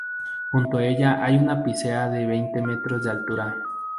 Junto a ella hay una picea de veinte metros de altura.